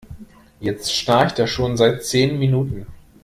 Jetzt schnarcht er schon seit zehn Minuten.